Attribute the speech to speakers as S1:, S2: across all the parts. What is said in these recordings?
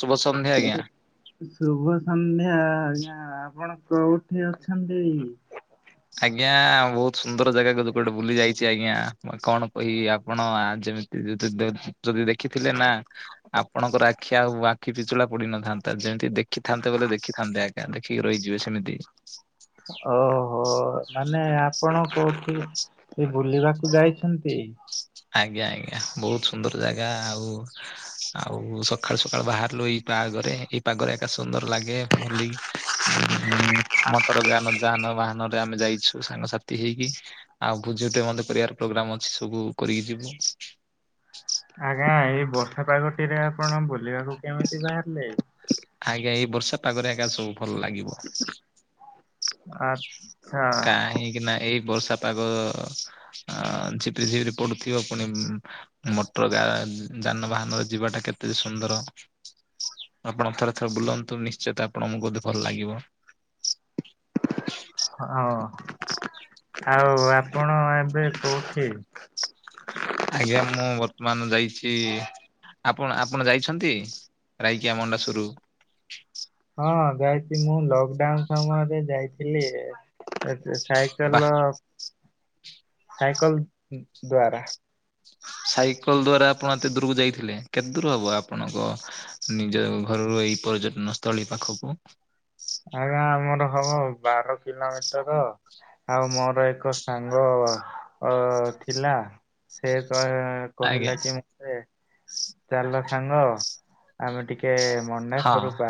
S1: ଶୁଭ ସନ୍ଧ୍ୟା ଆଜ୍ଞା।
S2: ଶୁଭ ସନ୍ଧ୍ୟା ଆଜ୍ଞା ଆପଣ କୋଉଠି ଅଛନ୍ତି।
S1: ଆଜ୍ଞା ବହୁତ ସୁନ୍ଦର ଜାଗାକୁ କୁଆଡେ ବୁଲି ଯାଇଛି ଆଜ୍ଞା କଣ କହିବି ଆପଣ ଆଜି ଯ ଯ ଯଦି ଦେଖିଥିଲେ ନା ଆପଣଙ୍କର ଆଖି ଆଉ ଆଖି ପିଚୁଳା ପଡି ନଥାନ୍ତା। ଯେମିତି ଦେଖିଥାନ୍ତେ ବୋଲେ ଦେଖିଥାନ୍ତେ ଏକା ଦେଖିକି ରହିଯିବେ ସେମିତି।
S2: ଓହୋ ମାନେ ଆପଣ କୋଉଠି। କି ବୁଲିବାକୁ ଯାଇଛନ୍ତି।
S1: ଆଜ୍ଞା ଆଜ୍ଞା ବହୁତ ସୁନ୍ଦର ଜାଗା ଆଉ ଆଉ ସଖାଳୁ ସଖାଳୁ ବାହାରିଲୁ ଏଇ ପା ଗରେ ଏଇ ପାଗରେ ଏକା ସୁନ୍ଦର ଲାଗେ ବୁଲି ମଟର ଯାନ ଯାନବାହନ। ହନରେ ଆମେ ଯାଇଛୁ ସାଙ୍ଗସାଥି ହେଇକି ଆଉ ଭୋଜି ଟେ ମଧ୍ୟ କରିବାର ପୋଗ୍ରାମ ଅଛି ସବୁ କରିକି ଯିବୁ।
S2: ଆଜ୍ଞା ଏଇ ବର୍ଷା ପାଗଟି ରେ ଆପଣ ବୁଲିବାକୁ କେମିତି ବାହାରିଲେ।
S1: ଆଜ୍ଞା ଏଇ ବର୍ଷା ପାଗରେ ଆଜ୍ଞା ସବୁ ଭଲ ଲାଗିବ।
S2: ଆ
S1: କାହିଁକି ନା ଏଇ ବର୍ଷା ପାଗ ଆ ଝିପିରି ଝିପିରି ପଡୁଥିବ ପୁଣି ମଟର ଗା ଯାନବାହାନର ଯିବାଟା କେତେ ସୁନ୍ଦର। ଆପଣ ଥରେ ଥରେ ବୁଲନ୍ତୁ ନିଶ୍ଚିତ ଆପଣଙ୍କୁ ବି ଭଲ ଲାଗିବ।
S2: ହଉ ଆଉ ଆପ
S1: ଆଜ୍ଞା ମୁଁ ବର୍ତ୍ତମାନ ଯାଇଛି। ଆପଣ ଆପଣ ଯାଇଛନ୍ତି ରାଇକିଆ ମଣ୍ଡାସୁରୁ?
S2: ହଁ ଯାଇଛି ମୁଁ ଲକଡାଉନ ସମୟରେ ଯାଇଥିଲି ଏବେ।
S1: ବା
S2: ସାଇକେଲ ସାଇକଲ ଦ୍ଵାରା।
S1: ସାଇକଲ ଦ୍ଵାରା ଆପଣ ଏତେ ଦୂରକୁ ଯାଇଥିଲେ କେତ ଦୂର ହବ ଆପଣଙ୍କ ନିଜ ଘରରୁ? ଏହି ପର୍ଯ୍ୟଟନ ସ୍ଥଳୀ ପାଖକୁ।
S2: ଆଜ୍ଞ ଆମର ହବ ବାର କିଲୋମିଟର। ଆଉ ମୋର ଏକ ସାଙ୍ଗ ଅ ଥିଲା ସେ
S1: ଆଜ୍ଞା
S2: କ-କହିଲା କି ମତେ ଚାଲ ସାଙ୍ଗ। ଆମେ ଟିକେ
S1: ହଁ
S2: ମଣ୍ଡାସ୍ଵରୂପା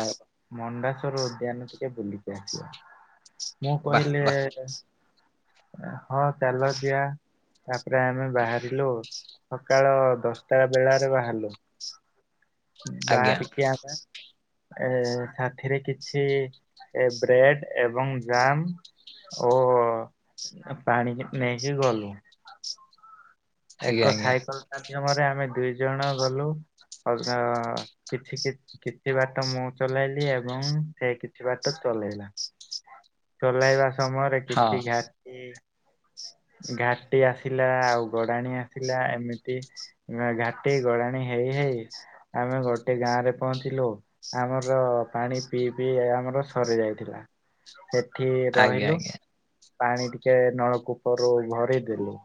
S2: ମଣ୍ଡାସ୍ୱର ଉଦ୍ୟାନ ଟିକେ ବୁଲିକି ଆସିବା। ମୁଁ
S1: ବାଃ
S2: କହିଲି
S1: ବାଃ
S2: ହଁ ଚାଲ ଯିବା ତାପରେ ଆମେ ବାହାରିଲୁ। ସକାଳ ଦଶଟା ବେଳାରେ ବାହାରିଲୁ।
S1: ଆଜ୍ଞା
S2: ବାହାରିକି ଆମେ। ଏ ସାଥିରେ କିଛି ବ୍ରେଡ ଏବଂ ଜାମ। ଓ ପାଣିକି ନେଇକି ଗଲୁ।
S1: ଆଜ୍ଞା
S2: ଏକ
S1: ଆଜ୍ଞା
S2: ସାଇକଲ ମାଧ୍ୟମରେ ଆମେ ଦୁଇ ଜଣ ଗଲୁ। ଅଧା କିଛି କିଛି ବାଟ ମୁଁ ଚଲେଇଲି ଏବଂ ସେ କିଛି ବାଟ ଚ ଚଲେଇଲା। ଚଲେଇବା ସମୟରେ
S1: ହଁ।
S2: କିଛି ଘାଟି ଘାଟି ଆସିଲା ଆଉ ଗଡାଣି ଆସିଲା ଏମିତି ନା ଘାଟି ଗଡାଣି ହେଇ ହେଇ ଆମେ ଗୋଟେ ଗାଁରେ ପହଞ୍ଚିଲୁ, ଆମର ପାଣି ପିଇ ପିଇ ଆମର ସରି ଯାଇଥିଲା। ସେଠି
S1: ଆଜ୍ଞା
S2: ରହିଲୁ
S1: ଆଜ୍ଞା
S2: ପାଣି ଟିକେ ନଳକୂପରୁ ଭରିଦେଲୁ।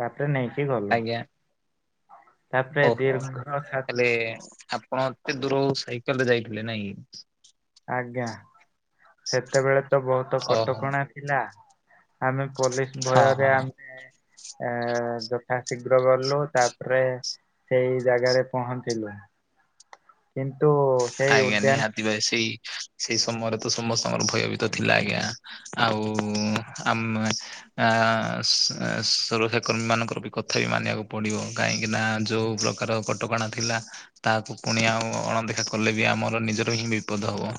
S2: ତାପରେ ନେଇକି ଗଲୁ।
S1: ଆଜ୍ଞା
S2: ତାପରେ
S1: ଓହୋ
S2: ଦୀର୍ଘ ସା
S1: ହେଲେ ଆପଣ ଏତେ ଦୂରୁ ସାଇକଲରେ ଯାଇଥିଲେ ନାଇଁ କି।
S2: ଆଜ୍ଞା ସେତେବେଳେ ତ ବହୁତ
S1: ଓହୋ
S2: କଟକଣା ଥିଲା। ଆମେ ପୋଲିସ
S1: ହଁ
S2: ଭୟରେ
S1: ହଁ
S2: ଆମେ ଏ ଯ ଥାଶୀଘ୍ର ଗଲୁ ତାପରେ ସେଇ ଜାଗାରେ ପହଞ୍ଚିଲୁ। କି।
S1: ଆଜ୍ଞା ନିହାତି ବା ସେଇ ସେଇ ସମୟରେ ତ ସମସ୍ତଙ୍କର ଭୟ ବି ତ ଥିଲା ଆଜ୍ଞା ଆଉ ଆମେ ଆ ସୁ-ସୁ-ସୁରକ୍ଷା କର୍ମୀ ମାନଙ୍କର ବି କଥା ବି ମାନିବାକୁ ପଡିବ କାହିଁକିନା ଯୋଉ ପ୍ରକାର କଟକଣା ଥିଲା, ତାହାକୁ ପୁଣି ଆଉ ଅଣଦେଖା କଲେ ବି ଆମର ନିଜର ହିଁ ବିପଦ ହବ,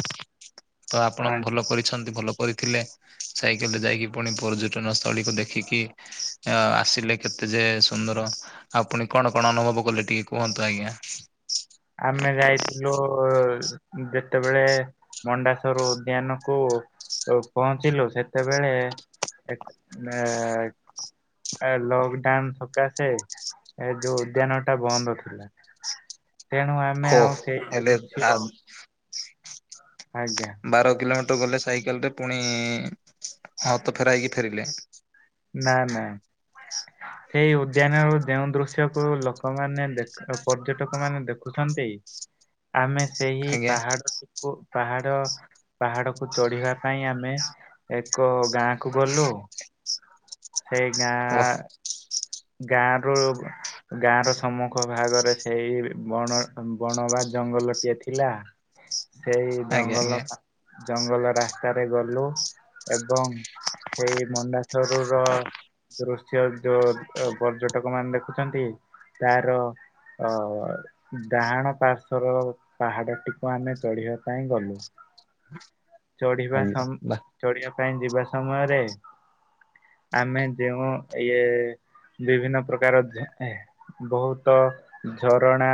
S1: ତ ଆପଣ
S2: ଆ
S1: ଭଲ କରିଛନ୍ତି ଭଲ କରିଥିଲେ ସାଇକେଲରେ ଯାଇକି ପୁଣି ପର୍ଯ୍ୟଟନ ସ୍ଥଳୀକୁ ଦେଖିକି ଅ ଆସିଲେ କେ ତେ ଯେ ସୁନ୍ଦର ଆଉ ପୁଣି କଣ କଣ ଅନୁଭବ କଲେ ଟିକେ କୁହନ୍ତୁ ଆଜ୍ଞା?
S2: ଯୋଉ ଯେତେବେଳେ ମଣ୍ଡାସ୍ୱର ଉଦ୍ୟାନକୁ ପହଞ୍ଚିଲୁ ସେତେବେଳେ ଏକ ମେ। ଏ ଲକଡାଉନ ସକାସେ ଏ ଯୋଉ ଉଦ୍ୟାନ ଟା ବନ୍ଦ ଥିଲା। ତେଣୁ ଆମେ
S1: ଓ
S2: ଆଉ ସେଇ
S1: ହେଲେ
S2: ଦୃଶ
S1: ଆ ବାର କିିଲୋ ତ ଗଲେ ସାଇକେଲ ରେ ପୁଣି ହତ ଫେରା ହେଇକି ଫେରିଲେ।
S2: ନା ନା।
S1: ଁ [inaudible]
S2: ସେଇ ଉଦ୍ୟାନରୁ ଯେଉଁ ଦୃଶ୍ୟକୁ ଲୋକମାନେ ଦେଖ ପର୍ଯ୍ୟଟକ ମାନେ ଦେଖୁଚନ୍ତି ଆମେ ସେହି
S1: ଆଜ୍ଞା
S2: ପାହାଡଟିକୁ ପାହାଡ ପାହାଡକୁ ଚଢିବା ପାଇଁ ଆମେ ଏକ ଗାଁ କୁ ଗଲୁ। ସେଇ
S1: ଓ
S2: ଗାଁ ଗାଁରୁ ଗାଁ ର ସମ୍ମୁଖ ଭାଗରେ ସେଇ ବଣ ବଣ ଜଙ୍ଗଲଟିଏ ଥିଲା।
S1: ହ
S2: ସେଇ ଜଙ୍ଗଲ ଜଙ୍ଗଲ ରାସ୍ତାରେ ଗଲୁ ଏବଂ ସେଇ ମଣ୍ଡାଚରୁ ର ଦୃଶ୍ୟ ଯୋଉ, ଅ ପର୍ଯ୍ୟଟକ ମାନେ ଦେଖୁଚନ୍ତି ତାର ଅ ଡାହାଣ ପାର୍ଶ୍ଵର ପାହାଡ ଟିକୁ ଆମେ ଚଢିବା ପାଇଁ ଗଲୁ।
S1: ହଁ
S2: ଚଢିବା ସମ ଚଢିବା ପାଇଁ ଯିବା ସମୟରେ ଆମେ ଯେଉଁ ଇଏ ବିଭିନ୍ନ ପ୍ରକାର ଯେ ହେ ବହୁତ ଝରଣା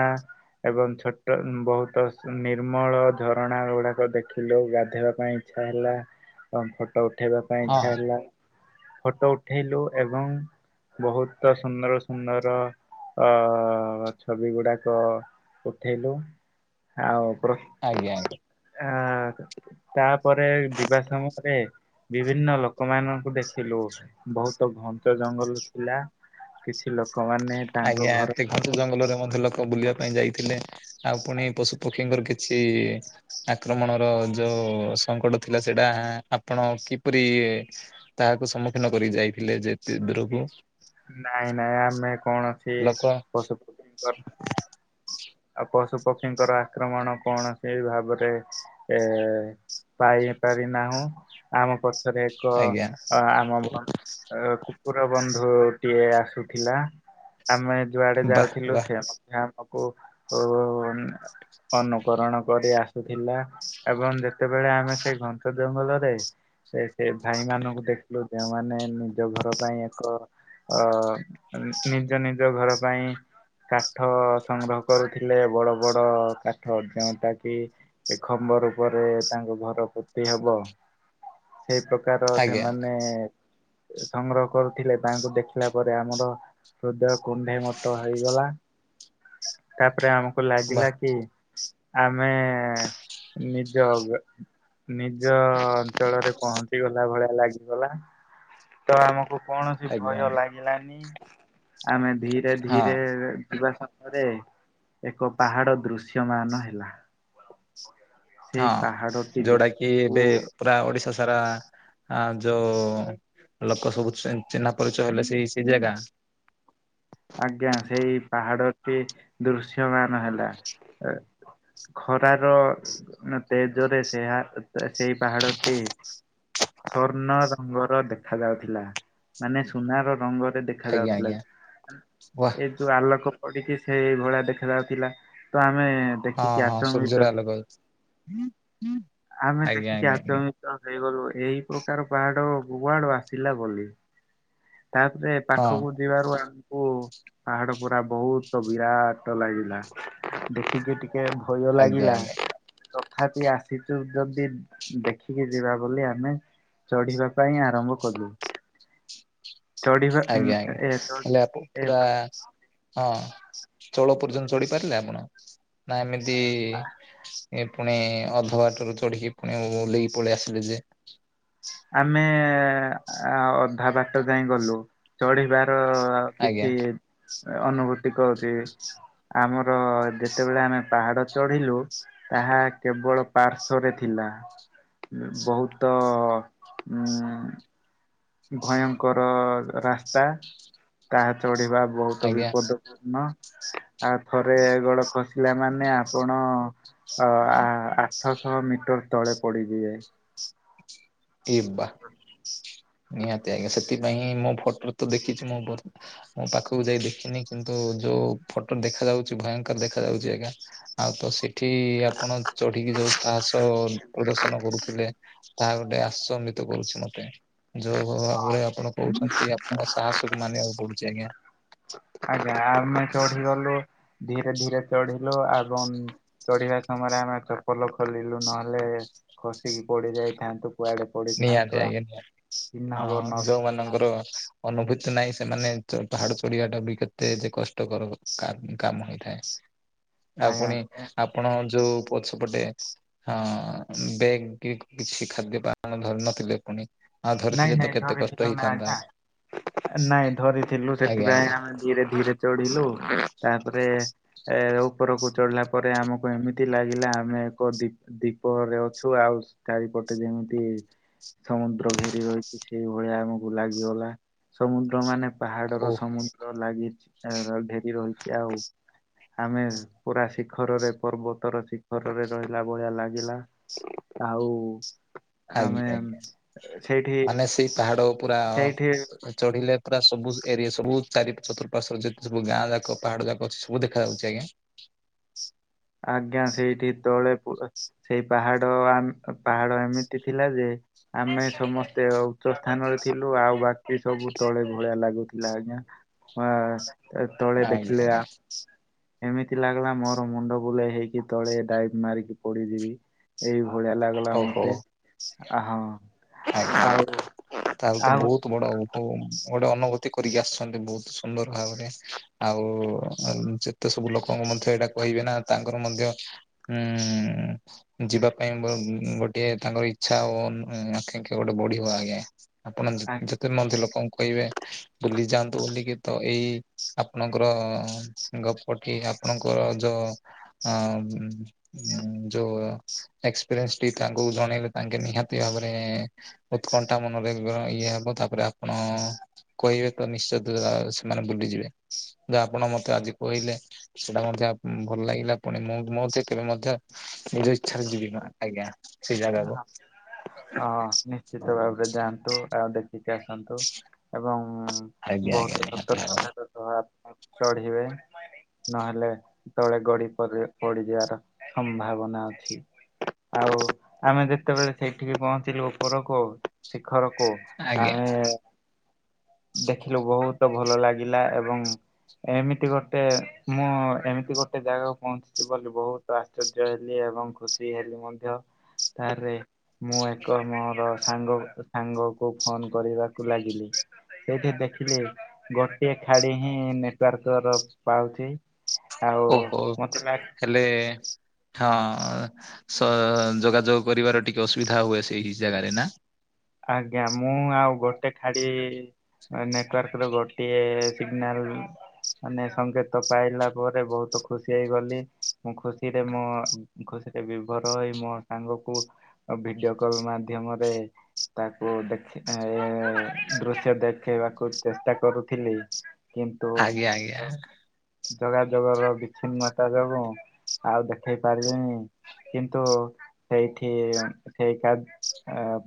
S2: ଏବଂ ଛୋଟ ବହୁତ ନିର୍ମଳ ଝରଣା ଗୁଡାକ ଦେଖିଲୁ। ଗାଧେଇବା ପାଇଁ ଇଛା ହେଲା ଏବଂ ଫଟୋ ଉଠେଇବା ପାଇଁ
S1: ହଁ
S2: ଇଛା ହେଲା। ଫଟୋ ଉଠେଇଲୁ ଏବଂ ବହୁତ ସୁନ୍ଦର ସୁନ୍ଦର ଅ ଛବି ଗୁଡାକ ଉଠେଇଲୁ ଆଉ ପ୍ର
S1: ଆଜ୍ଞା ଆଜ୍ଞା।
S2: ଆ ତାପରେ ଯିବା ସମୟରେ ବିଭିନ୍ନ ଲୋକମାନଙ୍କୁ ଦେଖିଲୁ ବହୁତ ଘଞ୍ଚ ଜଙ୍ଗଲ ଥିଲା। କିଛି ଲୋକମାନେ ତାଙ୍କ
S1: ଆଜ୍ଞା
S2: ଘର
S1: ଏତେ ଘଛ ଜଙ୍ଗଲରେ ମଧ୍ୟ ଲୋକ ବୁଲିବା ପାଇଁ ଥିଲେ ଆଉ ପୁଣି ପଶୁ ପକ୍ଷୀଙ୍କର କିଛି ଆକ୍ରମଣର ଯୋଉ ସଙ୍କଟ ଥିଲା ସେଇଟା ଆପଣ କିପରି ତାହାକୁ ସମ୍ମୁଖୀନ କରି ଯାଇଥିଲେ ଯେତେ ଦୂରକୁ
S2: ନାଇଁ ନାଇଁ ଆମେ କଣ ଅଛି
S1: ଲୋକ
S2: ପଶୁପକ୍ଷୀଙ୍କର ଆଉ ପଶୁ ପକ୍ଷୀଙ୍କର ଆକ୍ରମଣ କୌଣସି ଭାବରେ ଏ ପାଇଆ ପାରି ନାହୁଁ ଆମ ରେ ଏକ
S1: ଆଜ୍ଞା
S2: ଅ ଆମ ଭନ୍ ଅ କୁକୁର ବନ୍ଧା ଉ ଟିଏ ଆସୁଥିଲା ଆମେ ଯୁଆଡେ
S1: ବାଃ
S2: ଯାଉଥିଲୁ
S1: ବାଃ
S2: ସେ ମଧ୍ୟ ଆମୁକୁ [unintelligible] ଅନୁକରଣ କରି ଆସୁଥିଲା ଏବଂ ଯେତେବେଳେ ଆମେ ସେଇ ଘଞ୍ଚ ଜଙ୍ଗଲରେ ଏ ସେ ଭାଇ ମାନଙ୍କୁ ଦେଖିଲୁ ଯେଉମାନେ ନିଜ ଘର ପାଇଁ ଏକ ଅ ନିଜ ନିଜ ଘର ପାଇଁ କାଠ ସଂ କରୁଥିଲେ ବଡ ବଡ କାଠ ଯୋଉଟା କି ଏ ଖମ୍ବର ର ଉପରେ ତାଙ୍କ ଘର ପୋତି ହବ।
S1: [inaudible]
S2: ସେଇ ପ୍ରକାର
S1: ଆଜ୍ଞା
S2: ସେମାନେ ସଂଗ୍ରହ କରୁଥିଲେ ତାଙ୍କୁ ଦେଖିଲା ପରେ ଆମର ହୃଦୟ କୁଣ୍ଢେ ମୋଟ ହେଇଗଲା।
S1: [inaudible]
S2: ତାପରେ ଆମକୁ
S1: ବା
S2: ଲାଗିଲା କି ଆମେ ନିଜେ [unintelligible] ନିଜ ଅଞ୍ଚଳରେ ପହଞ୍ଚି ଗଲା ଭଳିଆ ଲାଗିଗଲା ତ ଆମକୁ କୌଣସି
S1: ଆଜ୍ଞା
S2: ଭୟ
S1: ଆଜ୍ଞା
S2: ଲାଗିଲାନି ଆମେ ଧୀରେ
S1: ହଁ
S2: ଧୀରେ ଯିବା ସମୟରେ ଏକ ପାହାଡ଼ ଦୃଶ୍ୟମାନ ହେଲା। ସେଇ ପାହାଡ଼ଟି
S1: ହଁ ଯୋଉଟା କିି
S2: ଦେଖିକୁ
S1: ଏବେ ପୁରା ଓଡିଶା ସାରା ହଁ ଯୋଉ ଲୋକ ସବୁ ଚି ଚିହ୍ନା ପରିଚୟ ହେଲେ ସେଇ ସେଇ ଜାଗା
S2: ଆଜ୍ଞା ସେଇ ପାହାଡଟି ଦୃଶ୍ୟମାନ ହେଲା। ଖରାର ତେଜରେ ସେ ହେଁ ତେ ସେଇ ପାହାଡଟି ସୂର୍ଣ୍ଣ ରଙ୍ଗର ଦେଖା ଯାଉଥିଲା ମାନେ ସୁନାର ରଙ୍ଗ। ଦେଖା
S1: ଆଜ୍ଞା
S2: ଯାଉଥିଲା
S1: ଆଜ୍ଞା ୱା
S2: ଏ ଯୋଉ ଆଲୋକ ପଡ଼ିଛି ସେଇ ଭଳିଆ ଦେଖା ଯାଉଥିଲା ତ ଆମେ
S1: ହଁ
S2: ଦେଖିକି
S1: ହଁ
S2: ଆଚମ୍ବିତ
S1: ସୂର୍ଯ୍ୟର
S2: ହେ
S1: ଆଲୋକ
S2: ଆମେ
S1: ଆଜ୍ଞା
S2: ଦେଖିକି
S1: ଆଜ୍ଞା ଆଜ୍ଞା
S2: ଆଚମ୍ବିତ ହେଇଗଲୁ ଏଇ ପ୍ରକାର ପାହାଡ କୁଆଡୁ ଆସିଲା ବୋଲି ତାପରେ
S1: ହଁ
S2: ପାଖକୁ ଯିବାରୁ ଆମେ ଓ ପାହାଡ ପରା ବହୁତ ବିରାଟ ଲାଗିଲା ଦେଖିକି ଟି ଟିକେ ଭୟ
S1: ଆଜ୍ଞା
S2: ଲାଗିଲା
S1: ଆଜ୍ଞା
S2: ତଥାପି ଆସିଛୁ ଯଦି ଦେଖିକି ଯିବା ବୋଲି ଆମେ ଚଢିବା ପାଇଁ ଆରମ୍ଭ କଲୁ। ଚଢିବା ଉଁ,
S1: ଆଜ୍ଞା ଆଜ୍ଞା
S2: ଏ ଚଢି
S1: ହେଲେ
S2: ଏ
S1: ପୁରା ହଁ ଚୋଳ ପର୍ଯ୍ୟନ୍ତ ଚଢି ପାରିଲେ ଆପଣ? ନା ଏମିତି ପୁଣି ଅଧବାଟରୁ ଚଢିକି ଫୁଣି ଓଲେଇକି ପଳେଇ ଆସିଲେ ଯେ ଦେଖା
S2: ଆମେ ଅଧା ବାଟ ଯାଇଁ ଗଲୁ ଚଢିବା ର
S1: ଆଜ୍ଞା
S2: କିଛି ଅନୁଭୂତି କହୁଛି ଆମର ଯେତେବେଳେ ଆମେ ପାହାଡ ଚଢିଲୁ ତାହା କେବଳ ପାର୍ଶ୍ଵରେ ଥିଲା। ବହୁତ ହୁଁ। ଭୟଙ୍କର ରାସ୍ତା ତାହା ଚଢିବା ବହୁତ
S1: ଆଜ୍ଞା
S2: ବିପଦପୂର୍ଣ୍ଣ ଆଉ ଥରେ ଗୋଡ ଖସିଲା ମାନେ ଆପଣ ଅ ଆ ଆଠଶହ ମିଟର ତଳେ ପଡ଼ିଯିବେ
S1: ଏ ବା ନିହାତି ଆଜ୍ଞା ସେଥିପାଇଁଁ ମୋ ଫଟୋରୁ ତ ଦେଖିଛି ମୁଁ ପାଖକୁ ଯାଇ ଦେଖିନି କିନ୍ତୁ ଯୋଉ ଫଟୋ ଦେଖା ଯାଉଛି ଭୟଙ୍କର ଦେଖା ଯାଉଛି ଆଜ୍ଞା ଆଉ ତ ସେଠି ଆପଣ ଚଢିକି ଯୋଉ ସାହସ ପ୍ରଦର୍ଶନ କରୁଥିଲେ ତାହା ଗୋଟେ ଆଶ୍ଚମ୍ବିତ କରୁଛି ମତେ। ଯୋଉ ଭାବରେ ଆପଣ କହୁଛନ୍ତି ଆପଣଙ୍କ ସାହସକୁ ମାନିବାକୁ ପଡୁଛି ଆଜ୍ଞା।
S2: ଆଜ୍ଞା ଆମେ ଚଢିଗଲୁ ଧୀରେ ଧୀରେ ଚଢି ଲୁ ଏବଂ ଚଢିବା ସମୟରେ ଆମେ ଚପଲ ଖୋଲିଲୁ ନହେଲେ ଖସିକି ପଡିଯାଇ ଯାଇଥାନ୍ତୁ। କୁଆଡେ ପଡିଥାନ୍ତୁ
S1: ନିହାତି ଆଜ୍ଞା
S2: ଚିହ୍ନ ବର୍ଣ୍ଣ
S1: ହଁ
S2: ଆଜ୍ଞା
S1: ଯୋଉମାନଙ୍କର ଅନୁଭୂତି ତି ନାଇଁ ସେମାନେ ପାହାଡ ଚ ଚଢିବା ଟା ବି କେତେ ଯେ କଷ୍ଟକର କା କାମ ହେଇଥାଏ। ଆଉ ପୁଣି ଆପଣ ଯୋଉ ପଛ ସେପଟେ ହ ବେଗ କିଛି ଖାଦ୍ୟପାନ ଧରି ନଥିଲେ ପୁଣି ଆଉ
S2: ନାଇଁ
S1: ଧରିଥିଲେ ତ
S2: ନାଇଁ
S1: କେତେ କଷ୍ଟ
S2: ଧରିଥିଲୁ ନାଇଁ
S1: ହେଇଥାନ୍ତା
S2: ଆଜ୍ଞା ନାଇଁ ଧରିଥିଲୁ
S1: ଆଜ୍ଞା
S2: ସେଥିପାଇଁ
S1: ଆଜ୍ଞା
S2: ଆମେ ଧୀରେ ଧୀରେ ଚଢିଲୁ ତାପରେ ଏ ଉପରକୁ ଚଢିଲା ପରେ ଆମକୁ ଏମିତି ଲାଗିଲା ଆମେ ଏକ ଦୀ ଦୀପରେ ଅଛୁ ଆଉ ଚାରିପଟେ ଯେମିତି ସମୁଦ୍ର ଘେରି ରି ରହିଛି ସେଇଭଳିଆ ଆମକୁ ଲାଗିଗଲା। ସମୁଦ୍ର ମାନେ
S1: ଓ
S2: ପାହାଡର ସମୁଦ୍ର ଲାଗିଛି ଢେରି ରହିଛି ଆଉ ଆମେ ପୁରା ଶିଖରରେ ପର୍ବତର ଶିଖରରେ ରହିଲା ଭଳିଆ ଲାଗିଲା। ଆଉ
S1: ଆଜ୍ଞା
S2: ଆମେ
S1: ଆଜ୍ଞା।
S2: ସେଇଠି
S1: ମାନେ ସେଇ ପାହାଡ ପୁରା
S2: ସେଇଠି
S1: ଚଢିଲେ ପୁରା ସବୁ ଏରିଆ ସବୁ ଚାରି ଚତୁରପାର୍ଶ୍ୱରେ ଯେତେ ସବୁ ଗାଁ ଯାକ ପାହାଡ ଯାକ ଅଛି ସବୁ ଦେଖାଯାଉଛି ଆଜ୍ଞା। [inaudible]
S2: ଆଜ୍ଞା, ସେଇଠି ତଳେ ପୁ ସେଇ ପାହାଡ ଆମ୍ ପାହାଡ ଏମିତି ଥିଲା ଯେ ଆମେ ସମସ୍ତେ ଉଚ୍ଚ ସ୍ଥାନରେ ଥିଲୁ ଆଉ ବାକି ସବୁ ତଳେ ଭଳିଆ ଲାଗୁଥିଲା ଆଜ୍ଞା। ଆ
S1: [inaudible]
S2: ତଳେ
S1: ଆଜ୍ଞା
S2: ଦେଖିଲେ ଆ
S1: ଆଜ୍ଞା
S2: ଏମିତି ଲାଗିଲା ମୋର ମୁଣ୍ଡ ବୁଲେଇ ହେଇକି ତଳେ [unintelligible] ମାରିକି ପଡିଯିବି। ଏଇ ଭଳିଆ ଲାଗିଲା
S1: ଓହୋ
S2: ମତେ। ଅ ହଁ।
S1: ଆଜ୍ଞା
S2: ଆଉ
S1: ଆଜ୍ଞା। ତାହେଲେ ତ
S2: ଆଉ
S1: ବହୁତ ବଡ ଅନୁଭବ ଗୋଟେ ଅନୁଭୂତି କରିକି ଆସିଛନ୍ତି ବହୁତ ସୁନ୍ଦର ଭାବରେ। ଆଉ ଯେତେ ସବୁ ଲୋକଙ୍କ ମଧ୍ୟ ଏଇଟା କହିବେ ନା ତାଙ୍କର ମଧ୍ୟ ଉଁ ଯିବା ପାଇଁ ଗୋଟିଏ ତାଙ୍କର ଇଚ୍ଛା ଉଁ ଆକାଂକ୍ଷା ଗୋଟେ ବଢିିବ ଆଜ୍ଞା। ଆପଣ
S2: ଆ-
S1: ଯେତେ ମଧ୍ୟ ଲୋକ କହିବେ ବୁଲି ଯାଆନ୍ତୁ ବୋଲିକି ତ ଏଇ ଆପଣଙ୍କର ଗପଟି ଆପଣଙ୍କର ଯୋଉ ଉଁ ଯୋଉ ଏକ୍ସପିରିଏନ୍ସ ଟି ତାଙ୍କୁ ଜଣେଇଲେ ତାଙ୍କେ ନିହାତି ଭାବରେ ଉତ୍କଣ୍ଠା ମନରେ ଇଏ ହବ ତାପରେ ଆପଣ କହିବେ ତ ନିଶ୍ଚୟ ସେମାନେ ବୁଲିଯିବେ। ଯୋଉ ଆପଣ ମତେ ଆଜି କହିଲେ ସେଇଟା ମଧ୍ୟ ଭଲ ଲାଗିଲା ପୁଣି ମୋ ମଧ୍ୟ ନିଜ ଇଚ୍ଛାରେ ଯିବିି ଆଜ୍ଞା। ସେ ଜାଗାକୁ।
S2: ହଁ ନିଶ୍ଚିତ ଭାବରେ ଯାଆନ୍ତୁ ଆଉ ଦେଖିକି ଆସନ୍ତୁ। ଏବଂ
S1: ଆଜ୍ଞା ଆଜ୍ଞା
S2: ବହୁତ
S1: ନିହାତି ଭାବରେ
S2: ସତର୍କତା ର ସହ ଆପଣ ଚଢିବେ। ନହେଲେ ତଳେ ଗଡି ପଡିଯିବାର ସମ୍ଭାବନା ଅଛି। ଆଉ ଆମେ ଯେତେବେଳେ ସେଇଠିକି ପହଞ୍ଚିଲୁ ଉପରକୁ ଘରକୁ
S1: ଆଜ୍ଞା
S2: ଆମେ ଦେଖିଲୁ ବହୁତ ଭଲ ଲାଗିଲା। ଏବଂ ଏମିତି ଗୋଟେ ମୁଁ ଏମିତି ଗୋଟେ ଜାଗାକୁ ପହଞ୍ଚିଛି ବୋଲି ବହୁତ ଆଶ୍ଚର୍ଯ୍ୟ ହେଲି। ଏବଂ ଖୁସି ହେଲେ ମଧ୍ୟ। ତାରେ ମୁଁ ଏକ ମୋର ସାଙ୍ଗ ସାଙ୍ଗ କୁ ଫୋନ କରିବାକୁ ଲାଗିଲି। ସେଇଠି ଦେଖିଲି ଗୋଟିଏ ଧାଡି ହିଁ ନେଟୱାର୍କ ର ପାଉଛି। ଆଉ
S1: ଓହୋ।
S2: ମତେ ଲା
S1: ହେଲେ ହଁ ସ ଯୋଗାଯୋଗ କରିବାର ଟିକେ ଅସୁବିଧା ହୁଏ ସେଇ ଜାଗାରେ ନା।
S2: ଆଜ୍ଞା। ମୁଁ ଆଉ ଗୋଟେ ଖାଡି ନେଟୱାର୍କ ର ଗୋଟିଏ ସିଗନାଲ ମାନେ ସଙ୍କେତ ପାଇଲା ପରେ ବହୁତ ଖୁସି ହେଇଗଲି। ମୁଁ ଖୁସିରେ ମୁଁ ଖୁ ସିରେ ବିଭୋର ହେଇ ମୋ ସାଙ୍ଗକୁ ଭିଡିଓ କଲ ମାଧ୍ୟମରେ ତାକୁ ଦେଖ ଦୃଶ୍ୟ ଦେଖେଇବାକୁ ଚେଷ୍ଟା କରୁଥିଲି।
S1: ଆଜ୍ଞା ଆଜ୍ଞା।
S2: ଯୋଗା ଯୋଗ ର ବିଚ୍ଛିନ୍ନତା ଯୋଗୁ ଆଉ ଦେଖେଇ ପାରିଲିନି। କିନ୍ତୁ ସେଇଠି ସେଇ କା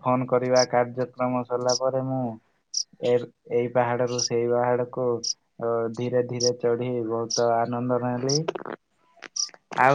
S2: ଫୋନ କରିବା କାର୍ଯ୍ୟକ୍ରମ ସରିଲା ପରେ ମୁଁ ଏ ଏଇ ପାହାଡରୁୁ ସେଇ ପାହାଡକୁୁ ଧୀରେ ଧୀରେ ଚଢି ବହୁତ ଆନ ନନ୍ଦ ନେଲି। ଆଉ